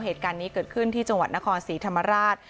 เหตุการณ์นี้เกิดขึ้นที่จังหวัดนครศรีธรรมราช